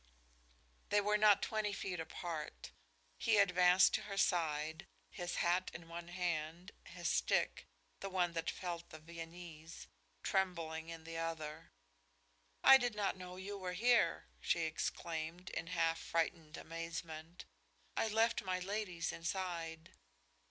They were not twenty feet apart. He advanced to her side, his hat in one hand, his stick the one that felled the Viennese trembling in the other. "I did not know you were here," she exclaimed, in half frightened amazement. "I left my ladies inside."